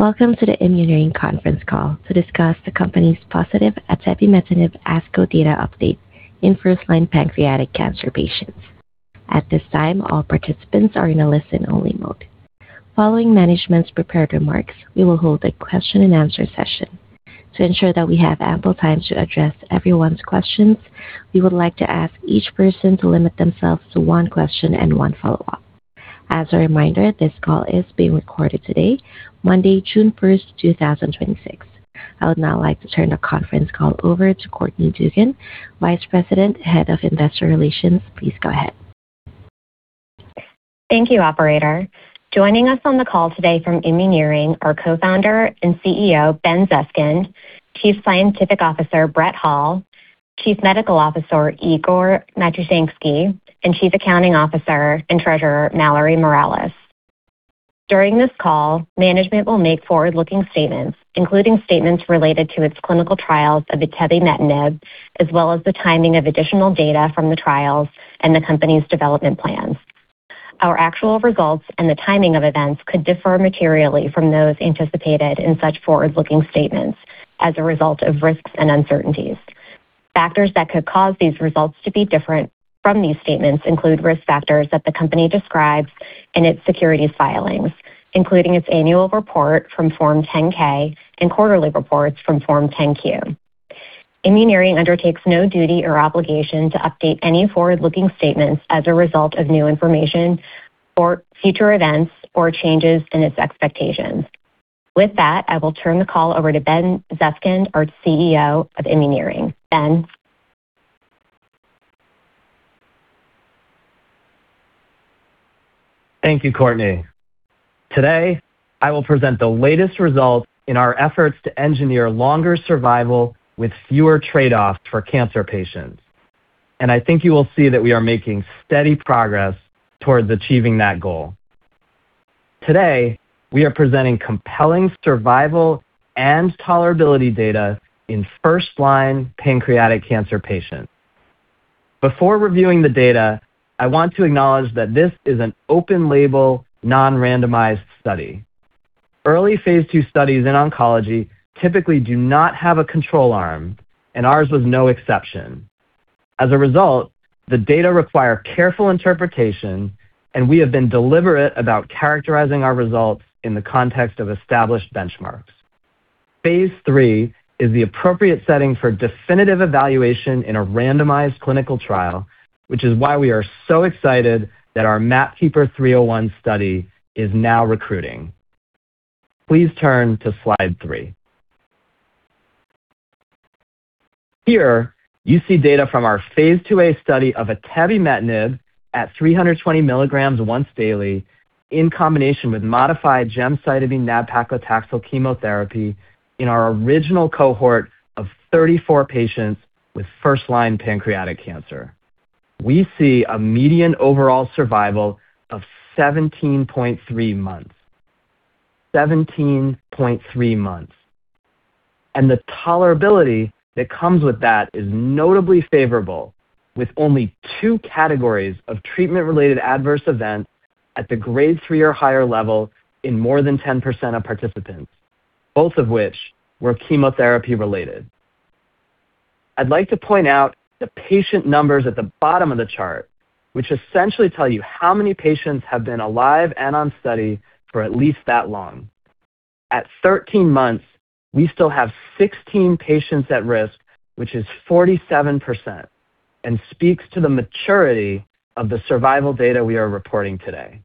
Welcome to the Immuneering conference call to discuss the company's positive atebimetinib ASCO data update in first-line pancreatic cancer patients. At this time, all participants are in a listen-only mode. Following management's prepared remarks, we will hold a question-and-answer session. To ensure that we have ample time to address everyone's questions, we would like to ask each person to limit themselves to one question and one follow-up. As a reminder, this call is being recorded today, Monday, June 1st, 2026. I would now like to turn the conference call over to Courtney Dugan, Vice President, Head of Investor Relations. Please go ahead. Thank you, operator. Joining us on the call today from Immuneering, are Co-Founder and CEO, Ben Zeskind, Chief Scientific Officer, Brett Hall, Chief Medical Officer, Igor Matushansky, and Chief Accounting Officer and Treasurer, Mallory Morales. During this call, management will make forward-looking statements, including statements related to its clinical trials of atebimetinib, as well as the timing of additional data from the trials and the company's development plans. Our actual results and the timing of events could differ materially from those anticipated in such forward-looking statements as a result of risks and uncertainties. Factors that could cause these results to be different from these statements include risk factors that the company describes in its securities filings, including its annual report from Form 10-K and quarterly reports from Form 10-Q. Immuneering undertakes no duty or obligation to update any forward-looking statements as a result of new information or future events or changes in its expectations. With that, I will turn the call over to Ben Zeskind, our CEO of Immuneering. Ben? Thank you, Courtney. Today, I will present the latest results in our efforts to engineer longer survival with fewer trade-offs for cancer patients, and I think you will see that we are making steady progress towards achieving that goal. Today, we are presenting compelling survival and tolerability data in first-line pancreatic cancer patients. Before reviewing the data, I want to acknowledge that this is an open-label, non-randomized study. Early phase II studies in oncology typically do not have a control arm, and ours was no exception. As a result, the data require careful interpretation, and we have been deliberate about characterizing our results in the context of established benchmarks. Phase III is the appropriate setting for definitive evaluation in a randomized clinical trial, which is why we are so excited that our MAPKeeper 301 study is now recruiting. Please turn to slide three. Here, you see data from our phase II-A study of atebimetinib at 320 mg once daily in combination with modified gemcitabine nab-paclitaxel chemotherapy in our original cohort of 34 patients with first-line pancreatic cancer. We see a median overall survival of 17.3 months. 17.3 months. And the tolerability that comes with that is notably favorable, with only two categories of treatment-related adverse events at the Grade 3 or higher level in more than 10% of participants, both of which were chemotherapy-related. I'd like to point out the patient numbers at the bottom of the chart, which essentially tell you how many patients have been alive and on study for at least that long. At 13 months, we still have 16 patients at risk, which is 47% and speaks to the maturity of the survival data we are reporting today.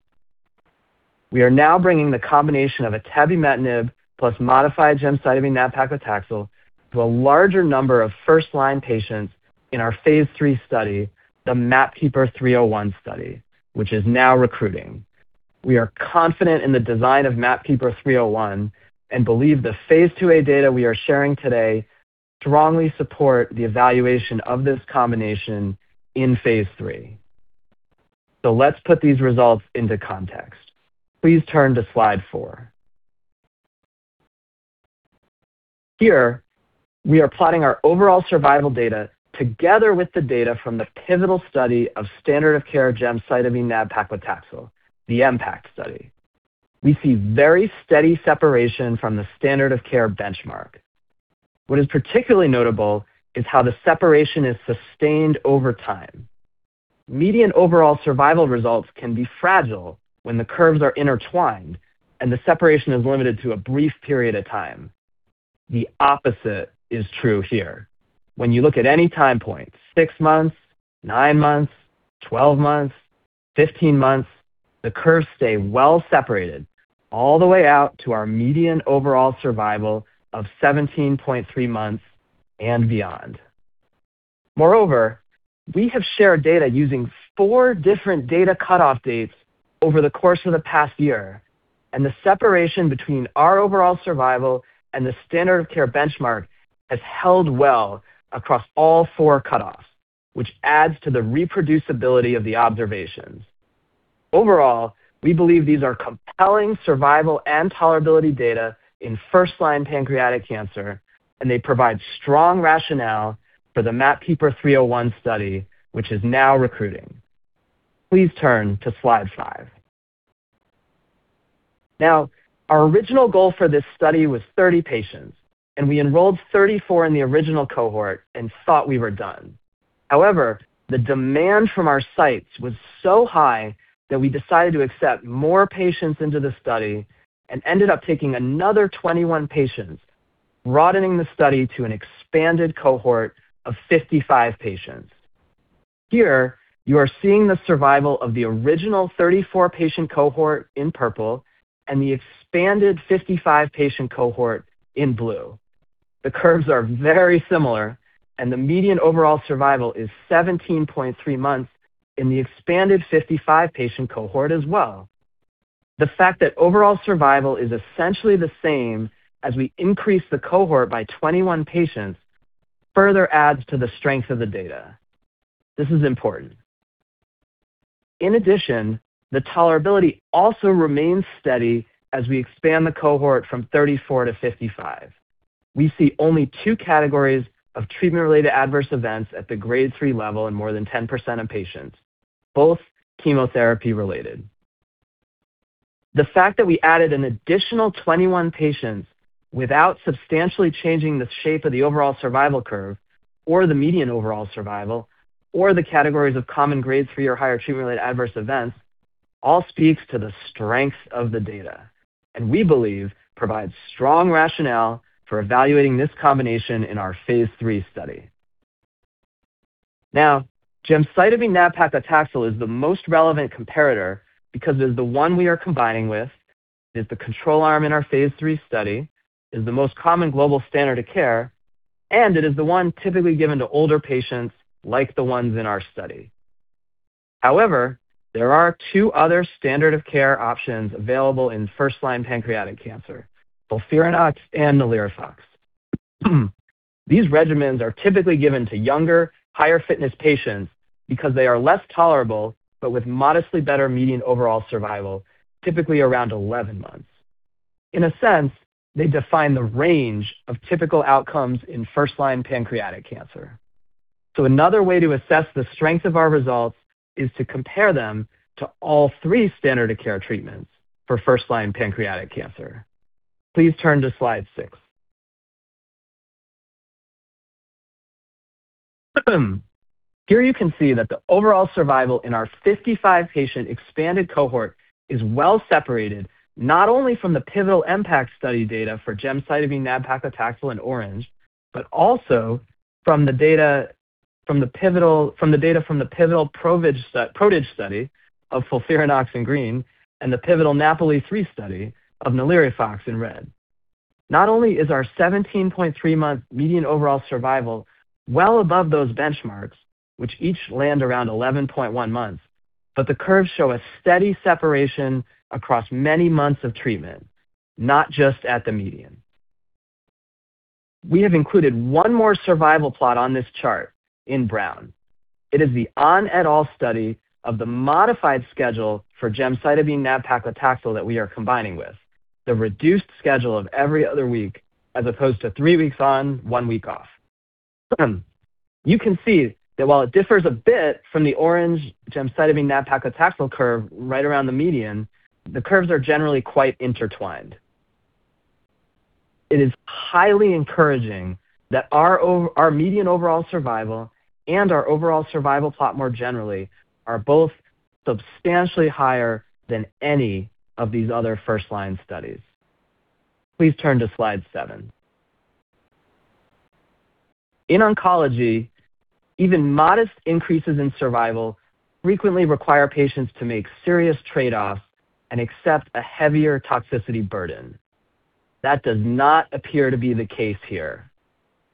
We are now bringing the combination of atebimetinib plus modified gemcitabine nab-paclitaxel to a larger number of first-line patients in our phase III study, the MAPKeeper 301 study, which is now recruiting. We are confident in the design of MAPKeeper 301 and believe the phase II-A data we are sharing today strongly support the evaluation of this combination in phase III. Let's put these results into context. Please turn to slide four. Here, we are plotting our overall survival data together with the data from the pivotal study of standard of care gemcitabine nab-paclitaxel, the MPACT study. We see very steady separation from the standard of care benchmark. What is particularly notable is how the separation is sustained over time. Median overall survival results can be fragile when the curves are intertwined and the separation is limited to a brief period of time. The opposite is true here. When you look at any time point, six months, nine months, 12 months, 15 months, the curves stay well-separated all the way out to our median overall survival of 17.3 months and beyond. Moreover, we have shared data using four different data cutoff dates over the course of the past year, and the separation between our overall survival and the standard of care benchmark has held well across all four cutoffs, which adds to the reproducibility of the observations. Overall, we believe these are compelling survival and tolerability data in first-line pancreatic cancer, and they provide strong rationale for the MAPKeeper 301 study, which is now recruiting. Please turn to slide five. Now, our original goal for this study was 30 patients, and we enrolled 34 in the original cohort and thought we were done. However, the demand from our sites was so high that we decided to accept more patients into the study and ended up taking another 21 patients, broadening the study to an expanded cohort of 55 patients. Here, you are seeing the survival of the original 34-patient cohort in purple and the expanded 55-patient cohort in blue. The curves are very similar, and the median overall survival is 17.3 months in the expanded 55-patient cohort as well. The fact that overall survival is essentially the same as we increase the cohort by 21 patients further adds to the strength of the data. This is important. In addition, the tolerability also remains steady as we expand the cohort from 34 to 55. We see only two categories of treatment-related adverse events at the Grade 3 level in more than 10% of patients, both chemotherapy-related. The fact that we added an additional 21 patients without substantially changing the shape of the overall survival curve, or the median overall survival, or the categories of common Grade 3 or higher treatment-related adverse events all speaks to the strength of the data, and we believe provides strong rationale for evaluating this combination in our phase III study. Now, gemcitabine nab-paclitaxel is the most relevant comparator because it is the one we are combining with, it's the control arm in our phase III study, is the most common global standard of care, and it is the one typically given to older patients, like the ones in our study. However, there are two other standard of care options available in first-line pancreatic cancer, FOLFIRINOX and NALIRIFOX. These regimens are typically given to younger, higher fitness patients because they are less tolerable, but with modestly better median overall survival, typically around 11 months. In a sense, they define the range of typical outcomes in first-line pancreatic cancer. Another way to assess the strength of our results is to compare them to all three standard of care treatments for first-line pancreatic cancer. Please turn to slide six. Here, you can see that the overall survival in our 55-patient expanded cohort is well-separated, not only from the pivotal MPACT study data for gemcitabine nab-paclitaxel in orange, but also from the data from the pivotal PRODIGE study of FOLFIRINOX in green and the pivotal NAPOLI-3 study of NALIRIFOX in red. Not only is our 17.3-month median overall survival well above those benchmarks, which each land around 11.1 months, but the curves show a steady separation across many months of treatment, not just at the median. We have included one more survival plot on this chart in brown. It is the Ahn et al. study of the modified schedule for gemcitabine nab-paclitaxel that we are combining with, the reduced schedule of every other week, as opposed to three weeks on, one week off. You can see that while it differs a bit from the orange gemcitabine nab-paclitaxel curve right around the median, the curves are generally quite intertwined. It is highly encouraging that our median overall survival and our overall survival plot more generally are both substantially higher than any of these other first-line studies. Please turn to slide seven. In oncology, even modest increases in survival frequently require patients to make serious trade-offs and accept a heavier toxicity burden. That does not appear to be the case here.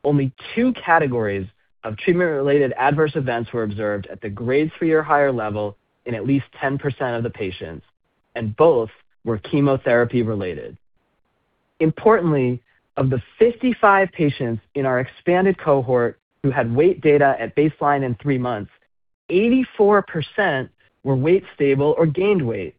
Only two categories of treatment-related adverse events were observed at the Grade 3 or higher level in at least 10% of the patients, and both were chemotherapy-related. Importantly, of the 55 patients in our expanded cohort who had weight data at baseline and three months, 84% were weight stable or gained weight.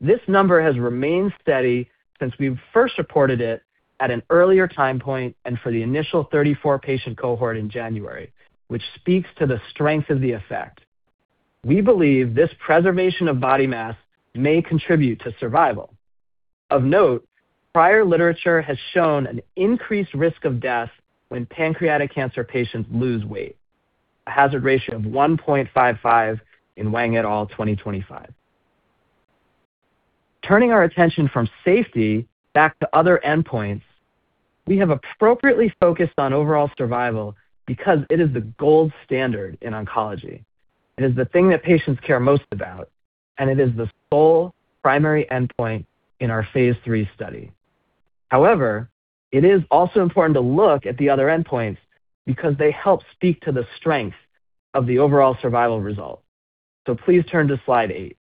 This number has remained steady since we first reported it at an earlier time point and for the initial 34-patient cohort in January, which speaks to the strength of the effect. We believe this preservation of body mass may contribute to survival. Of note, prior literature has shown an increased risk of death when pancreatic cancer patients lose weight, a hazard ratio of 1.55 in Wang et al. 2025. Turning our attention from safety back to other endpoints, we have appropriately focused on overall survival because it is the gold standard in oncology. It is the thing that patients care most about, and it is the sole primary endpoint in our phase III study. However, it is also important to look at the other endpoints because they help speak to the strength of the overall survival result. Please turn to slide eight.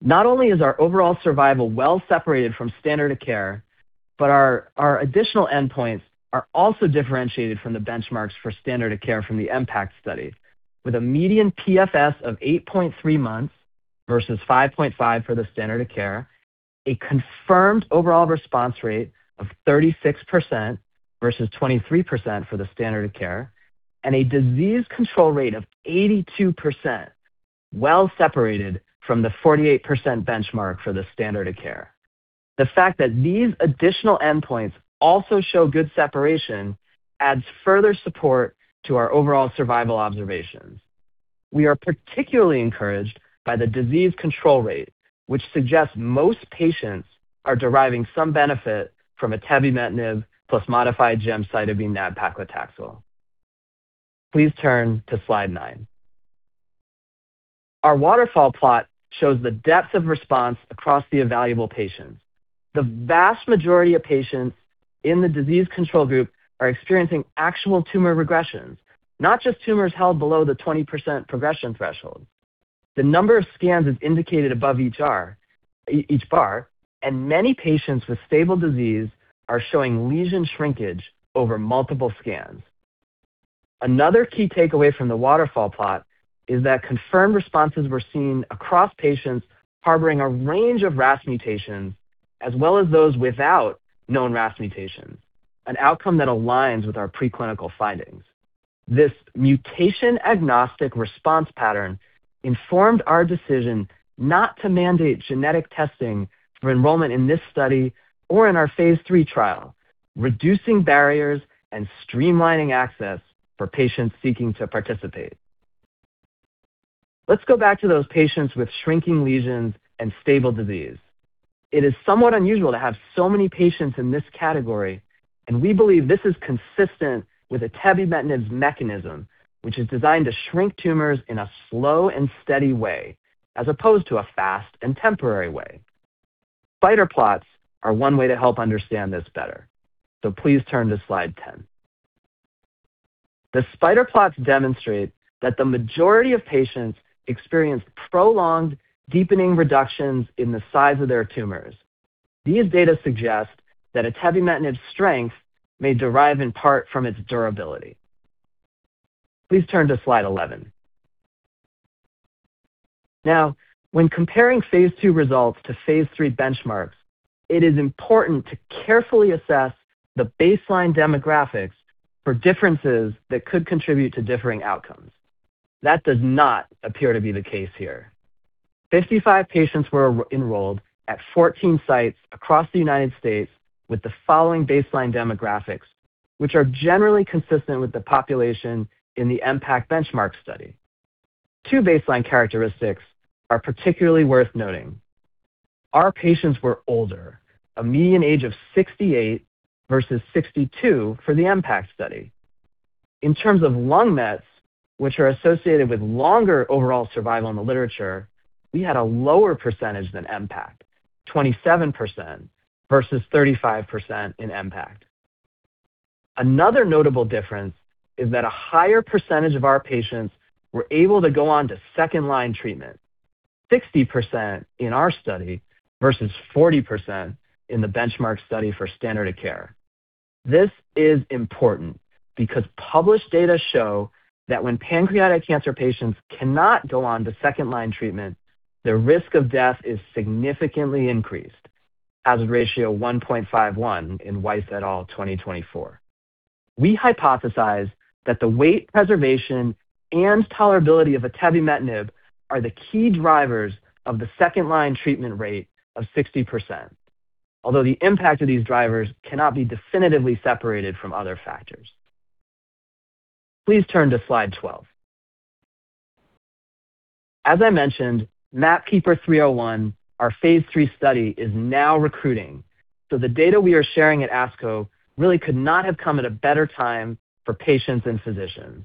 Not only is our overall survival well-separated from standard of care, but our additional endpoints are also differentiated from the benchmarks for standard of care from the MPACT study, with a median PFS of 8.3 months versus 5.5 for the standard of care, a confirmed overall response rate of 36% versus 23% for the standard of care, and a disease control rate of 82%, well-separated from the 48% benchmark for the standard of care. The fact that these additional endpoints also show good separation adds further support to our overall survival observations. We are particularly encouraged by the disease control rate, which suggests most patients are deriving some benefit from atebimetinib plus modified gemcitabine nab-paclitaxel. Please turn to slide nine. Our waterfall plot shows the depth of response across the evaluable patients. The vast majority of patients in the disease control group are experiencing actual tumor regressions, not just tumors held below the 20% progression threshold. The number of scans is indicated above each bar, and many patients with stable disease are showing lesion shrinkage over multiple scans. Another key takeaway from the waterfall plot is that confirmed responses were seen across patients harboring a range of RAS mutations, as well as those without known RAS mutations, an outcome that aligns with our pre-clinical findings. This mutation-agnostic response pattern informed our decision not to mandate genetic testing for enrollment in this study or in our phase III trial, reducing barriers and streamlining access for patients seeking to participate. Let's go back to those patients with shrinking lesions and stable disease. It is somewhat unusual to have so many patients in this category, and we believe this is consistent with atebimetinib's mechanism, which is designed to shrink tumors in a slow and steady way, as opposed to a fast and temporary way. Spider plots are one way to help understand this better. Please turn to slide 10. The spider plots demonstrate that the majority of patients experienced prolonged, deepening reductions in the size of their tumors. These data suggest that atebimetinib's strength may derive in part from its durability. Please turn to slide 11. Now, when comparing phase II results to phase III benchmarks, it is important to carefully assess the baseline demographics for differences that could contribute to differing outcomes. That does not appear to be the case here. 55 patients were enrolled at 14 sites across the United States with the following baseline demographics, which are generally consistent with the population in the MPACT benchmark study. Two baseline characteristics are particularly worth noting. Our patients were older, a median age of 68 versus 62 for the MPACT study. In terms of lung mets, which are associated with longer overall survival in the literature, we had a lower percentage than MPACT, 27% versus 35% in MPACT. Another notable difference is that a higher percentage of our patients were able to go on to second-line treatment, 60% in our study versus 40% in the benchmark study for standard of care. This is important because published data show that when pancreatic cancer patients cannot go on to second-line treatment, their risk of death is significantly increased, hazard ratio 1.51 in Weiss et al. 2024. We hypothesize that the weight preservation and tolerability of atebimetinib are the key drivers of the second-line treatment rate of 60%, although the impact of these drivers cannot be definitively separated from other factors. Please turn to slide 12. As I mentioned, MAPKeeper 301, our phase III study, is now recruiting. The data we are sharing at ASCO really could not have come at a better time for patients and physicians.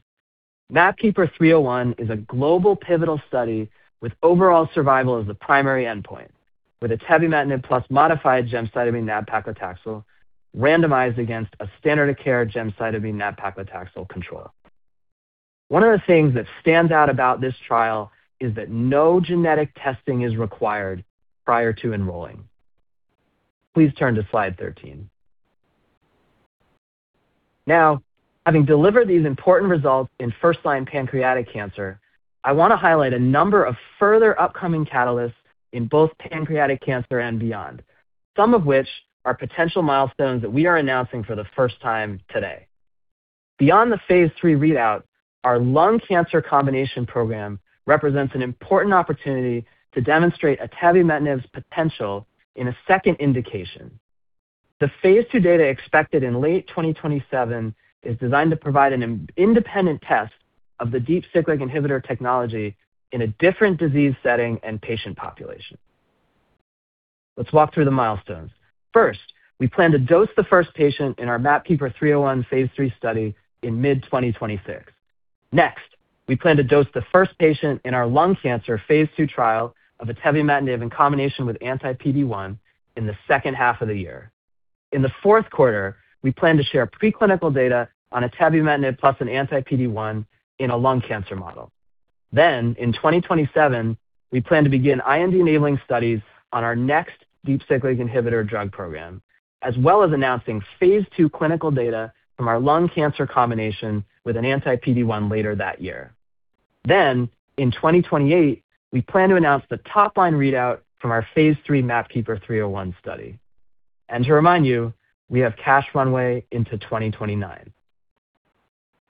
MAPKeeper 301 is a global pivotal study with overall survival as the primary endpoint, with atebimetinib plus modified gemcitabine nab-paclitaxel randomized against a standard of care gemcitabine nab-paclitaxel control. One of the things that stands out about this trial is that no genetic testing is required prior to enrolling. Please turn to slide 13. Now, having delivered these important results in first-line pancreatic cancer, I want to highlight a number of further upcoming catalysts in both pancreatic cancer and beyond, some of which are potential milestones that we are announcing for the first time today. Beyond the phase III readout, our lung cancer combination program represents an important opportunity to demonstrate atebimetinib's potential in a second indication. The phase II data expected in late 2027 is designed to provide an independent test of the Deep Cyclic Inhibitor technology in a different disease setting and patient population. Let's walk through the milestones. First, we plan to dose the first patient in our MAPKeeper 301 phase III study in mid-2026. Next, we plan to dose the first patient in our lung cancer phase II trial of atebimetinib in combination with anti-PD-1 in the second half of the year. In the fourth quarter, we plan to share pre-clinical data on atebimetinib, plus an anti-PD-1 in a lung cancer model. Then, in 2027, we plan to begin IND-enabling studies on our next Deep Cyclic Inhibitor drug program, as well as announcing phase II clinical data from our lung cancer combination with an anti-PD-1 later that year. Then, in 2028, we plan to announce the top-line readout from our phase III MAPKeeper 301 study. And to remind you, we have cash runway into 2029.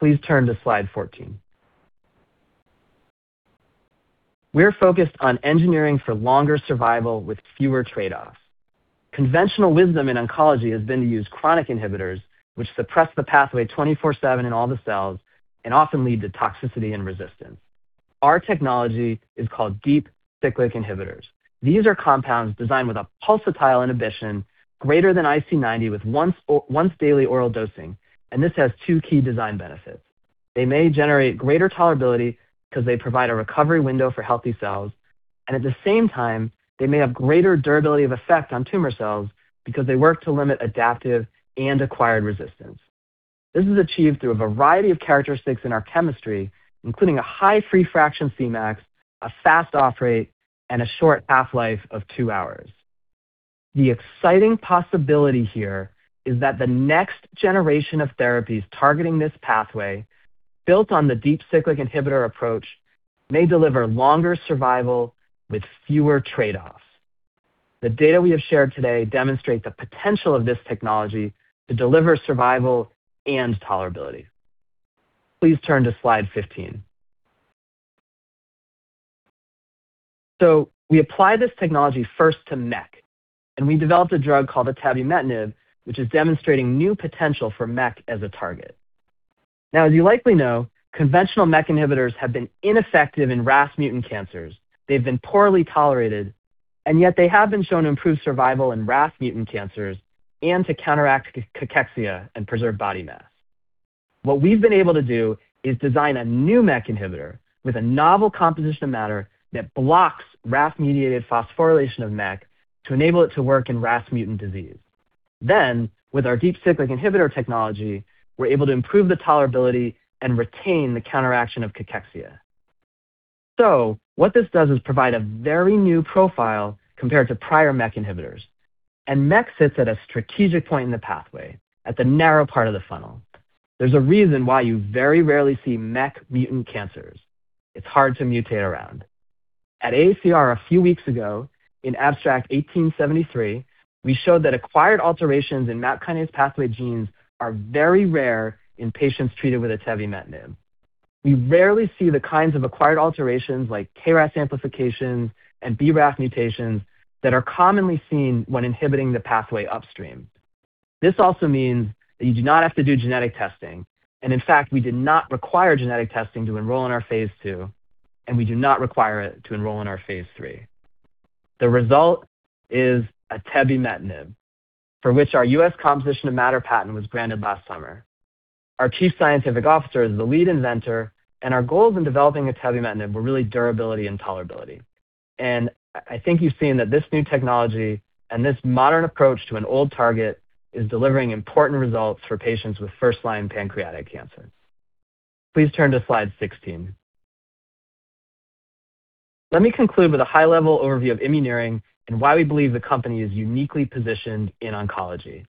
Please turn to slide 14. We're focused on engineering for longer survival with fewer trade-offs. Conventional wisdom in oncology has been to use chronic inhibitors, which suppress the pathway 24/7 in all the cells and often lead to toxicity and resistance. Our technology is called Deep Cyclic Inhibitors. These are compounds designed with a pulsatile inhibition greater than IC90 with once-daily oral dosing, and this has two key design benefits. They may generate greater tolerability because they provide a recovery window for healthy cells, and at the same time, they may have greater durability of effect on tumor cells because they work to limit adaptive and acquired resistance. This is achieved through a variety of characteristics in our chemistry, including a high free fraction Cmax, a fast off-rate, and a short half-life of two hours. The exciting possibility here is that the next generation of therapies targeting this pathway, built on the Deep Cyclic Inhibitor approach, may deliver longer survival with fewer trade-offs. The data we have shared today demonstrate the potential of this technology to deliver survival and tolerability. Please turn to slide 15. We apply this technology first to MEK, and we developed a drug called atebimetinib, which is demonstrating new potential for MEK as a target. Now, as you likely know, conventional MEK inhibitors have been ineffective in RAS mutant cancers. They've been poorly tolerated, and yet they have been shown to improve survival in RAS mutant cancers and to counteract cachexia and preserve body mass. What we've been able to do is design a new MEK inhibitor with a novel composition of matter that blocks RAS-mediated phosphorylation of MEK to enable it to work in RAS mutant disease. Then, with our Deep Cyclic Inhibitor technology, we're able to improve the tolerability and retain the counteraction of cachexia. So, what this does is provide a very new profile compared to prior MEK inhibitors, and MEK sits at a strategic point in the pathway, at the narrow part of the funnel. There's a reason why you very rarely see MEK mutant cancers. It's hard to mutate around. At AACR a few weeks ago, in Abstract 1873, we showed that acquired alterations in MAP kinase pathway genes are very rare in patients treated with atebimetinib. We rarely see the kinds of acquired alterations like KRAS amplifications and BRAF mutations that are commonly seen when inhibiting the pathway upstream. This also means that you do not have to do genetic testing, and in fact, we did not require genetic testing to enroll in our phase II, and we do not require it to enroll in our phase III. The result is atebimetinib, for which our U.S. composition of matter patent was granted last summer. Our Chief Scientific Officer is the lead inventor, and our goals in developing atebimetinib were really durability and tolerability. And I think you've seen that this new technology and this modern approach to an old target is delivering important results for patients with first-line pancreatic cancer. Please turn to slide 16. Let me conclude with a high-level overview of Immuneering and why we believe the company is uniquely positioned in oncology.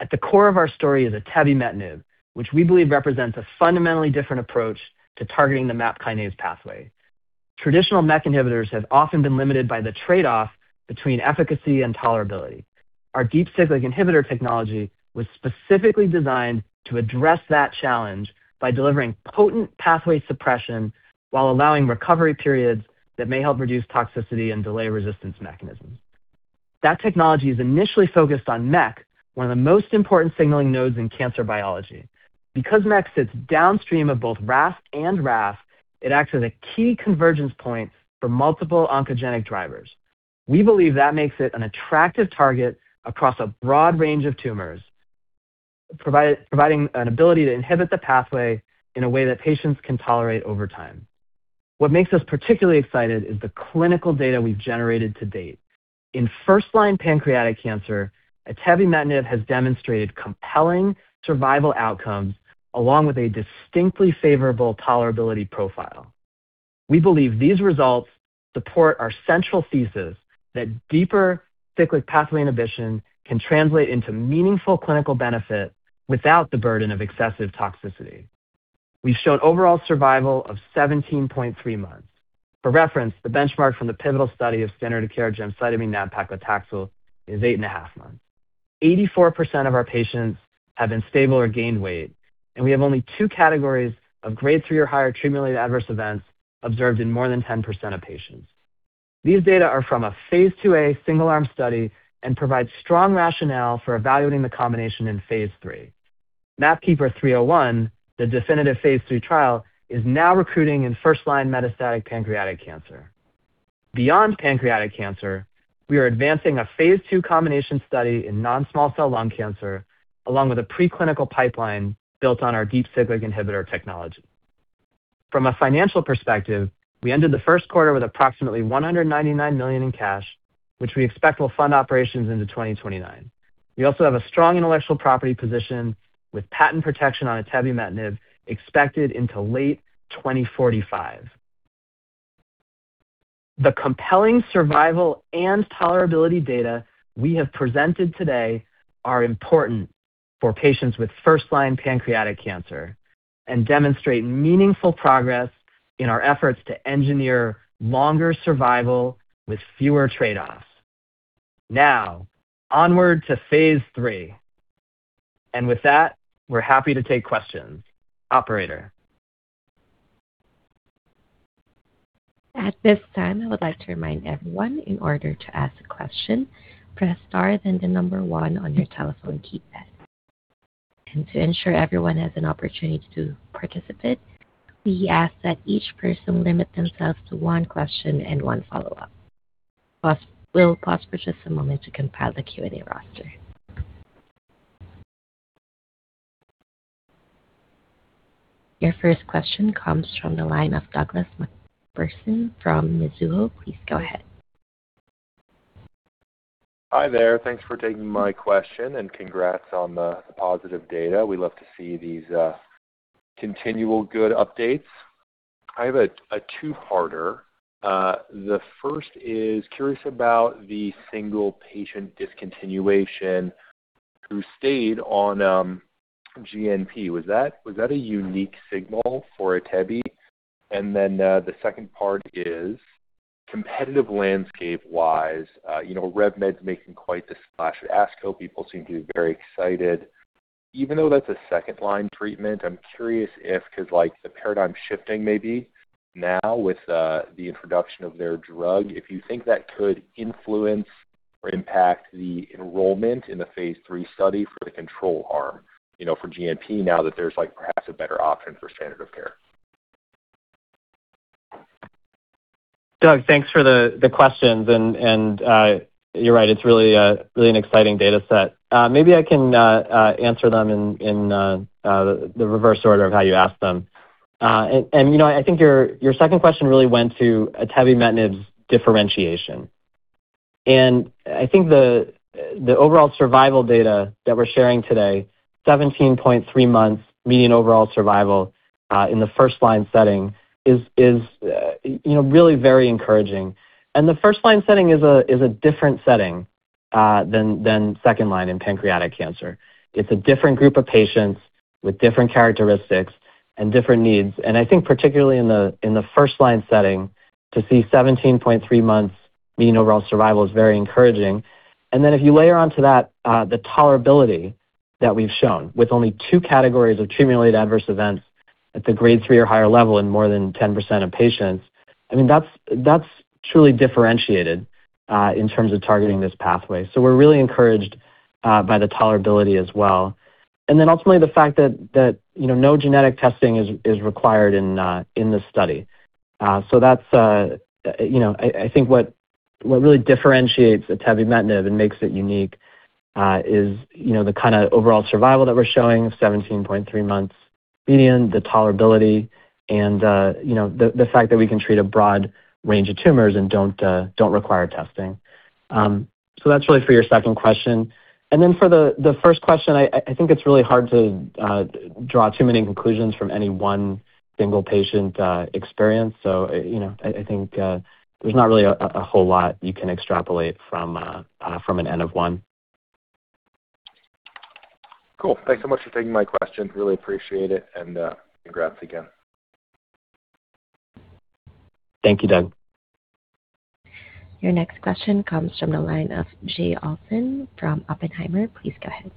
At the core of our story is atebimetinib, which we believe represents a fundamentally different approach to targeting the MAP kinase pathway. Traditional MEK inhibitors have often been limited by the trade-off between efficacy and tolerability. Our Deep Cyclic Inhibitor technology was specifically designed to address that challenge by delivering potent pathway suppression while allowing recovery periods that may help reduce toxicity and delay resistance mechanisms. That technology is initially focused on MEK, one of the most important signaling nodes in cancer biology. Because MEK sits downstream of both RAS and RAF, it acts as a key convergence point for multiple oncogenic drivers. We believe that makes it an attractive target across a broad range of tumors, providing an ability to inhibit the pathway in a way that patients can tolerate over time. What makes us particularly excited is the clinical data we've generated to date. In first-line pancreatic cancer, atebimetinib has demonstrated compelling survival outcomes along with a distinctly favorable tolerability profile. We believe these results support our central thesis that deeper cyclic pathway inhibition can translate into meaningful clinical benefit without the burden of excessive toxicity. We've shown overall survival of 17.3 months. For reference, the benchmark from the pivotal study of standard of care gemcitabine nab-paclitaxel is eight and a half months. 84% of our patients have been stable or gained weight, and we have only two categories of Grade 3 or higher treatment-related adverse events observed in more than 10% of patients. These data are from a phase II-A single-arm study and provide strong rationale for evaluating the combination in phase III. MAPKeeper 301, the definitive phase III trial, is now recruiting in first-line metastatic pancreatic cancer. Beyond pancreatic cancer, we are advancing a phase II combination study in non-small cell lung cancer, along with a preclinical pipeline built on our Deep Cyclic Inhibitor technology. From a financial perspective, we ended the first quarter with approximately $199 million in cash, which we expect will fund operations into 2029. We also have a strong intellectual property position with patent protection on atebimetinib expected into late 2045. The compelling survival and tolerability data we have presented today are important for patients with first-line pancreatic cancer and demonstrate meaningful progress in our efforts to engineer longer survival with fewer trade-offs. Now, onward to phase III. With that, we're happy to take questions. Operator. At this time, I would like to remind everyone, in order to ask a question, press star then the number one on your telephone keypad. To ensure everyone has an opportunity to participate, we ask that each person limit themselves to one question and one follow-up. We'll pause for just a moment to compile the Q&A roster. Your first question comes from the line of Douglas MacPherson from Mizuho. Please go ahead. Hi there. Thanks for taking my question and congrats on the positive data. We love to see these continual good updates. I have a two-parter. The first is, curious about the one patient discontinuation who stayed on GnP. Was that a unique signal for atebi? The second part is competitive landscape-wise, RevMed's making quite the splash at ASCO. People seem to be very excited. Even though that's a second-line treatment, I'm curious if, because like the paradigm shifting maybe now with the introduction of their drug, if you think that could influence or impact the enrollment in the phase III study for the control arm for GnP, now that there's perhaps a better option for standard of care. Doug, thanks for the questions. You're right, it's really an exciting data set. Maybe I can answer them in the reverse order of how you asked them. I think your second question really went to atebimetinib's differentiation, and I think the overall survival data that we're sharing today, 17.3 months median overall survival in the first-line setting, is really very encouraging. The first-line setting is a different setting than second line in pancreatic cancer. It's a different group of patients with different characteristics and different needs, and I think particularly in the first-line setting, to see 17.3 months median overall survival is very encouraging. If you layer onto that the tolerability that we've shown, with only two categories of treatment-related adverse events at the Grade 3 or higher level in more than 10% of patients, I mean, that's truly differentiated, in terms of targeting this pathway, so we're really encouraged by the tolerability as well. Ultimately, the fact that no genetic testing is required in this study, so that's I think what really differentiates atebimetinib and makes it unique is the kind of overall survival that we're showing, 17.3 months median, the tolerability, and the fact that we can treat a broad range of tumors and don't require testing. That's really for your second question. For the first question, I think it's really hard to draw too many conclusions from any one single patient experience. I think there's not really a whole lot you can extrapolate from an N of one. Cool. Thanks so much for taking my question. Really appreciate it, and congrats again. Thank you, Doug. Your next question comes from the line of Jay Olson from Oppenheimer. Please go ahead.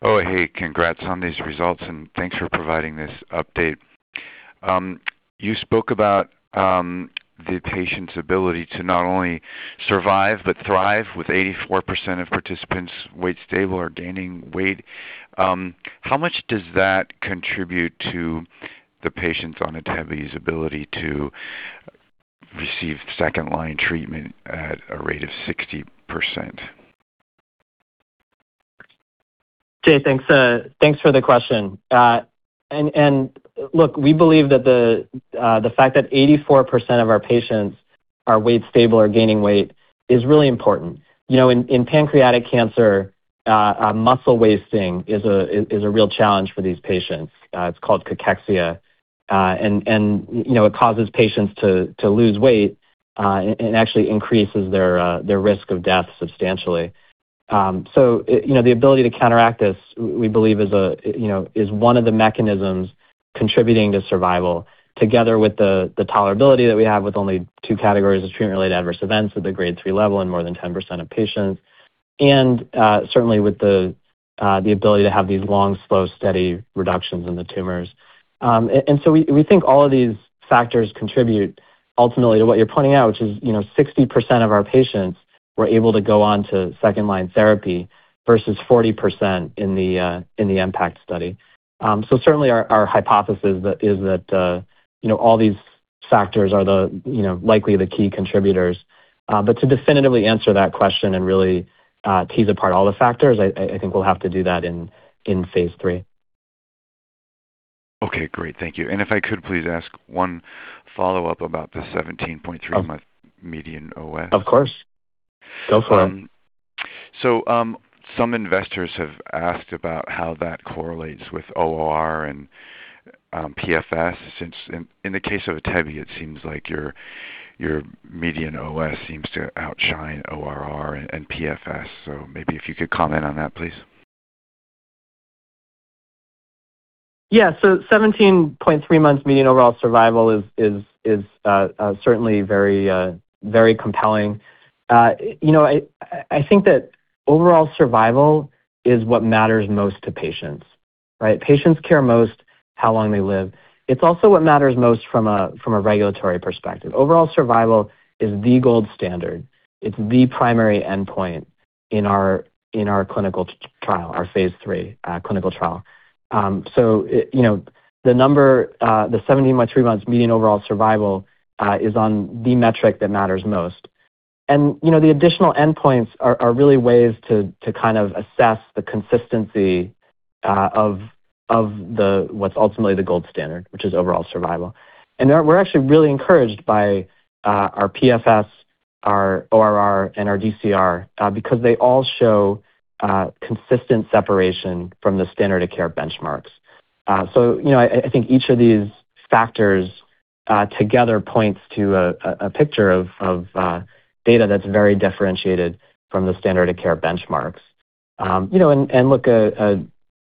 Oh, hey. Congrats on these results and thanks for providing this update. You spoke about the patient's ability to not only survive but thrive, with 84% of participants weight stable or gaining weight. How much does that contribute to the patients on atebimetinib's ability to receive second-line treatment at a rate of 60%? Jay, thanks for the question. Look, we believe that the fact that 84% of our patients are weight stable or gaining weight is really important. In pancreatic cancer, muscle wasting is a real challenge for these patients. It's called cachexia, and it causes patients to lose weight, and actually increases their risk of death substantially. The ability to counteract this, we believe is one of the mechanisms contributing to survival, together with the tolerability that we have with only two categories of treatment-related adverse events at the Grade 3 level in more than 10% of patients, and certainly with the ability to have these long, slow, steady reductions in the tumors. We think all of these factors contribute ultimately to what you're pointing out, which is 60% of our patients were able to go on to second-line therapy versus 40% in the MPACT study. Certainly, our hypothesis is that all these factors are likely the key contributors. But to definitively answer that question and really tease apart all the factors, I think we'll have to do that in phase III. Okay, great. Thank you, and if I could please ask one follow-up about the 17.3-month median OS. Of course. Go for it. Some investors have asked about how that correlates with OR and PFS, since in the case of atebi, it seems like your median OS seems to outshine ORR and PFS. Maybe if you could comment on that, please. Yeah. 17.3 months median overall survival is certainly very compelling. I think that overall survival is what matters most to patients. Right? Patients care most how long they live. It's also what matters most from a regulatory perspective. Overall survival is the gold standard. It's the primary endpoint in our clinical trial, our phase III clinical trial. The 17.3 months median overall survival is on the metric that matters most. The additional endpoints are really ways to kind of assess the consistency of what's ultimately the gold standard, which is overall survival. We're actually really encouraged by our PFS, our ORR, and our DCR because they all show consistent separation from the standard of care benchmarks. I think each of these factors together points to a picture of data that's very differentiated from the standard of care benchmarks. Look,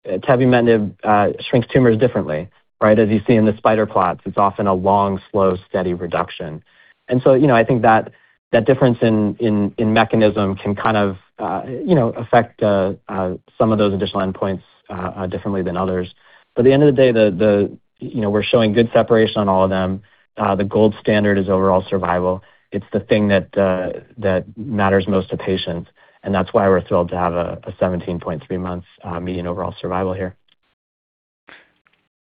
atebimetinib shrinks tumors differently. Right? As you see in the spider plots, it's often a long, slow, steady reduction. I think that difference in mechanism can kind of affect some of those additional endpoints differently than others. At the end of the day, we're showing good separation on all of them. The gold standard is overall survival. It's the thing that matters most to patients, and that's why we're thrilled to have a 17.3 months median overall survival here.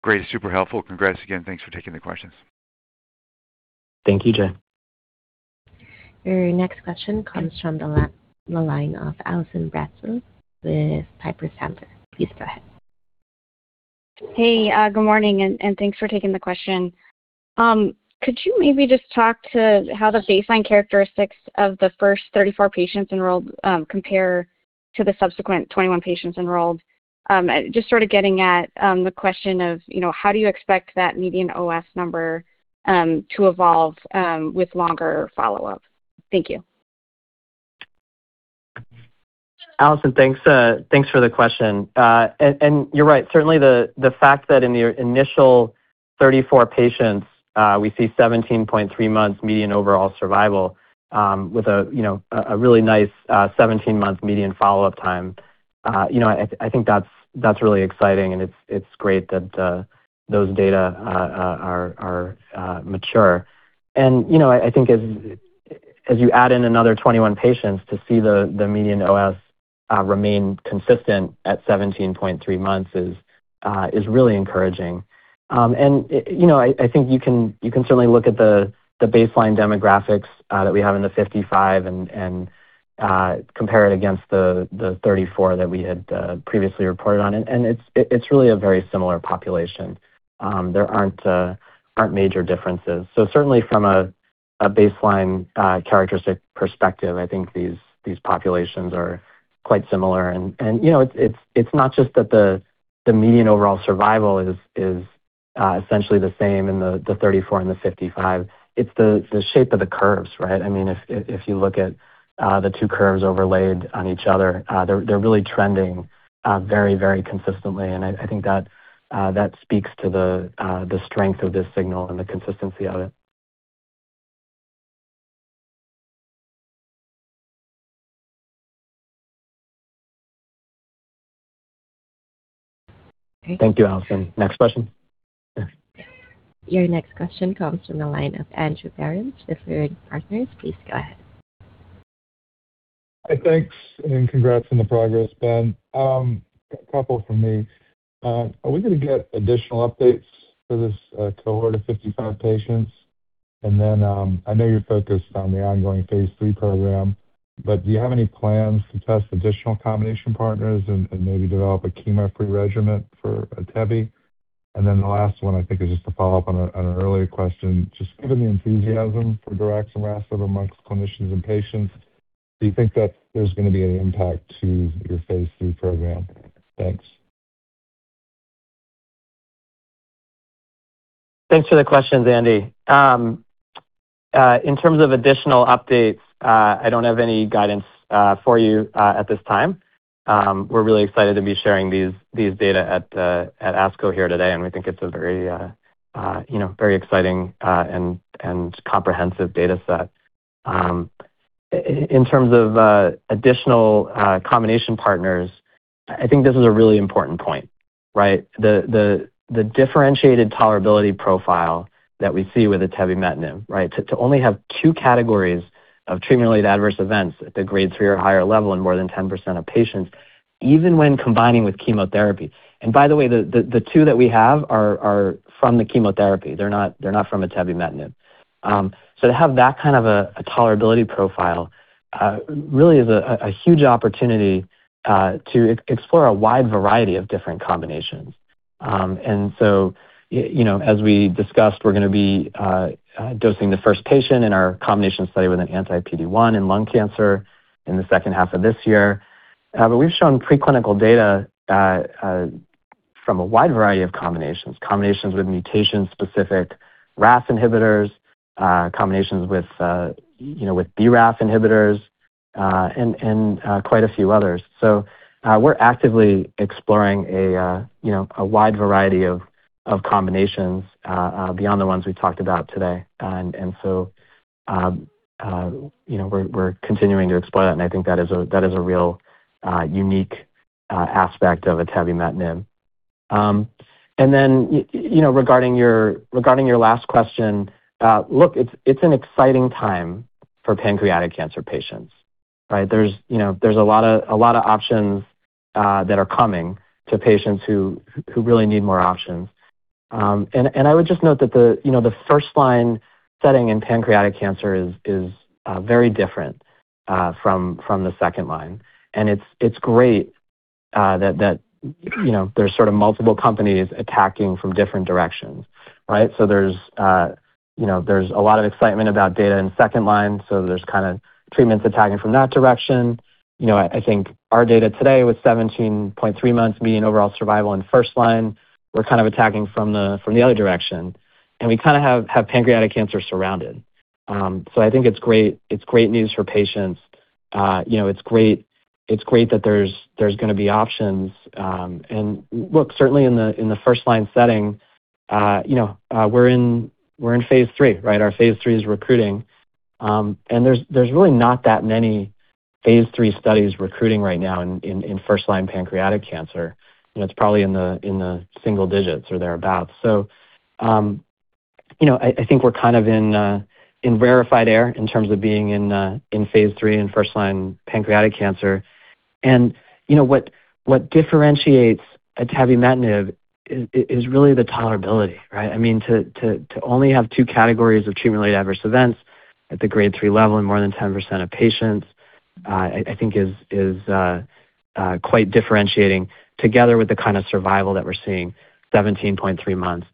Great. Super helpful. Congrats again, thanks for taking the questions. Thank you, Jay. Your next question comes from the line of Allison Bratzel with Piper Sandler. Please go ahead. Hey, good morning, and thanks for taking the question. Could you maybe just talk to how the baseline characteristics of the first 34 patients enrolled compare to the subsequent 21 patients enrolled? Just sort of getting at the question of how do you expect that median OS number to evolve with longer follow-up? Thank you. Allison, thanks for the question. You're right, certainly the fact that in the initial 34 patients, we see 17.3 months median overall survival with a really nice 17-month median follow-up time, I think that's really exciting, and it's great that those data are mature. I think as you add in another 21 patients to see the median OS remain consistent at 17.3 months is really encouraging. I think you can certainly look at the baseline demographics that we have in the 55 and compare it against the 34 that we had previously reported on, and it's really a very similar population. There aren't major differences. Certainly, from a baseline characteristic perspective, I think these populations are quite similar. It's not just that the median overall survival is essentially the same in the 34 and the 55. It's the shape of the curves, right? I mean, if you look at the two curves overlaid on each other, they're really trending very, very consistently, and I think that speaks to the strength of this signal and the consistency of it. Thank you, Allison. Next question. Your next question comes from the line of Andrew Baird with Baird Partners. Please go ahead. Thanks, congrats on the progress, Ben. A couple from me. Are we going to get additional updates for this cohort of 55 patients? I know you're focused on the ongoing phase III program, but do you have any plans to test additional combination partners and maybe develop a chemo-free regimen for atebi? The last one I think is just a follow-up on an earlier question. Just given the enthusiasm for daraxonrasib amongst clinicians and patients, do you think that there's going to be an impact to your phase III program? Thanks. Thanks for the questions, Andy. In terms of additional updates, I don't have any guidance for you at this time. We're really excited to be sharing these data at ASCO here today, and we think it's a very exciting and comprehensive data set. In terms of additional combination partners, I think this is a really important point, right? The differentiated tolerability profile that we see with atebimetinib, right? To only have two categories of treatment-related adverse events at the Grade 3 or higher level in more than 10% of patients, even when combining with chemotherapy. By the way, the two that we have are from the chemotherapy. They're not from atebimetinib. To have that kind of a tolerability profile really is a huge opportunity to explore a wide variety of different combinations. As we discussed, we're going to be dosing the first patient in our combination study with an anti-PD-1 in lung cancer in the second half of this year. We've shown preclinical data from a wide variety of combinations, combinations with mutation-specific RAS inhibitors, combinations with BRAF inhibitors, and quite a few others. We're actively exploring a wide variety of combinations beyond the ones we talked about today. We're continuing to explore that, and I think that is a real unique aspect of atebimetinib. Regarding your last question, look, it's an exciting time for pancreatic cancer patients, right? There's a lot of options that are coming to patients who really need more options. I would just note that the first-line setting in pancreatic cancer is very different from the second line. It's great that there's sort of multiple companies attacking from different directions. Right? There's a lot of excitement about data in second line, so there's kind of treatments attacking from that direction. I think our data today, with 17.3 months median overall survival in first line, we're kind of attacking from the other direction, and we kind of have pancreatic cancer surrounded. So, I think it's great news for patients. It's great that there's going to be options. Look, certainly in the first-line setting, we're in phase III. Right? Our phase III is recruiting. There's really not that many phase III studies recruiting right now in first-line pancreatic cancer. It's probably in the single digits or thereabout. I think we're kind of in rarefied air in terms of being in phase III in first-line pancreatic cancer. What differentiates atebimetinib is really the tolerability, right? I mean, to only have two categories of treatment-related adverse events at the Grade 3 level in more than 10% of patients, I think is quite differentiating together with the kind of survival that we're seeing, 17.3 months.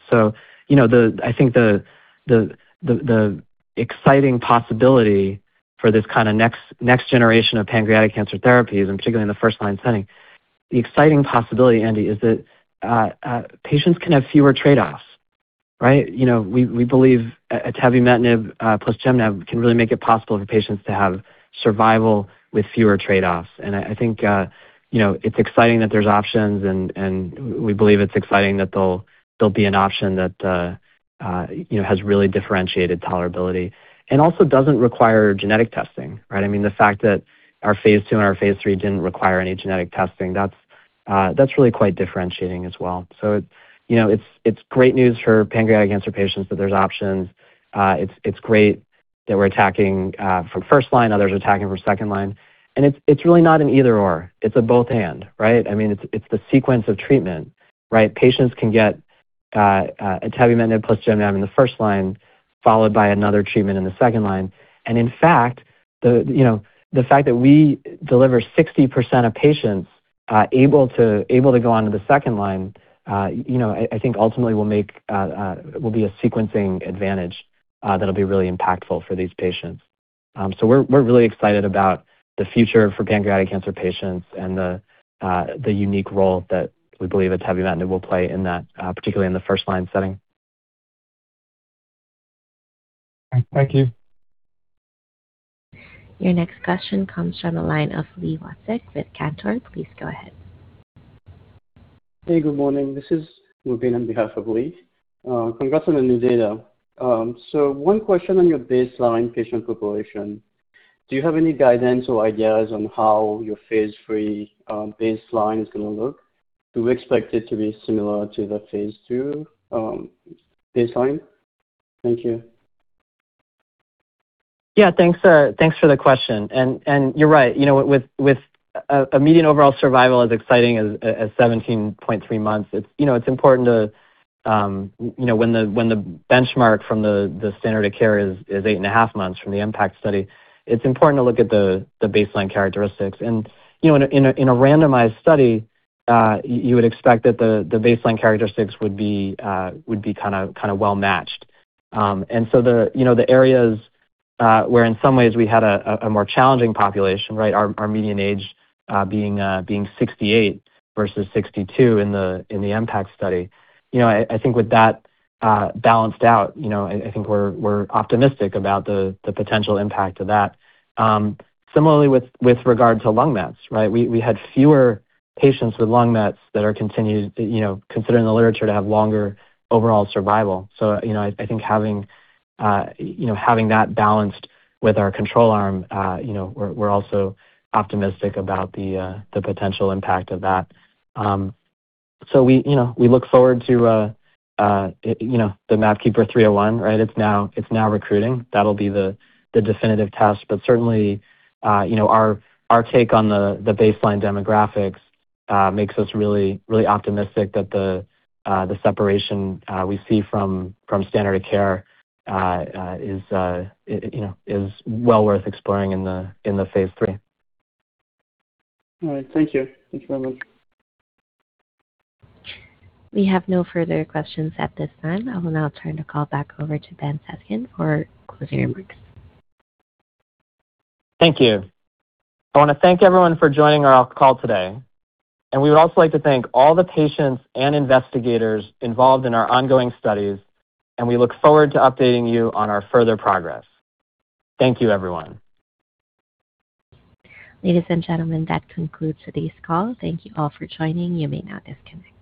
I think the exciting possibility for this kind of next generation of pancreatic cancer therapies, and particularly in the first-line setting, the exciting possibility, Andy, is that patients can have fewer trade-offs. Right? We believe atebimetinib plus gemcitabine can really make it possible for patients to have survival with fewer trade-offs. I think it's exciting that there's options, and we believe it's exciting that there'll be an option that has really differentiated tolerability and also doesn't require genetic testing. Right? I mean, the fact that our phase II and our phase III didn't require any genetic testing, that's really quite differentiating as well. It's great news for pancreatic cancer patients that there's options. It's great that we're attacking from first line, others are attacking from second line. It's really not an either/or, it's a both/and, right? I mean, it's the sequence of treatment. Right? Patients can get atebimetinib plus gemcitabine in the first line, followed by another treatment in the second line. In fact, the fact that we deliver 60% of patients able to go on to the second line, I think ultimately will be a sequencing advantage that'll be really impactful for these patients. We're really excited about the future for pancreatic cancer patients and the unique role that we believe atebimetinib will play in that, particularly in the first-line setting. Thank you. Your next question comes from the line of Li Watsek with Cantor. Please go ahead. Hey, good morning. This is [Rubin] on behalf of Li. Congrats on the new data. One question on your baseline patient population. Do you have any guidance or ideas on how your phase III baseline is going to look? Do we expect it to be similar to the phase II baseline? Thank you. Yeah. Thanks for the question. You're right. With a median overall survival as exciting as 17.3 months, it's important to, when the benchmark from the standard of care is 8.5 months from the MPACT study, it's important to look at the baseline characteristics. In a randomized study, you would expect that the baseline characteristics would be kind of well-matched. The areas where in some ways we had a more challenging population, our median age being 68 versus 62 in the MPACT study, I think with that balanced out, I think we're optimistic about the potential impact of that. Similarly, with regard to lung mets, we had fewer patients with lung mets that are considered in the literature to have longer overall survival. I think having that balanced with our control arm, we're also optimistic about the potential impact of that. We look forward to the MAPKeeper 301, right? It's now recruiting. That'll be the definitive test. Certainly, our take on the baseline demographics makes us really optimistic that the separation we see from standard of care is well worth exploring in the phase III. All right. Thank you. Thank you very much. We have no further questions at this time. I will now turn the call back over to Ben Zeskind for closing remarks. Thank you. I want to thank everyone for joining our call today. We would also like to thank all the patients and investigators involved in our ongoing studies, and we look forward to updating you on our further progress. Thank you, everyone. Ladies and gentlemen, that concludes today's call. Thank you all for joining. You may now disconnect.